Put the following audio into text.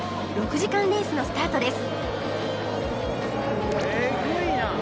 ６時間レースのスタートです！